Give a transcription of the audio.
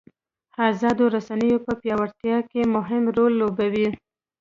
ازادو رسنیو په پیاوړتیا کې مهم رول ولوباوه.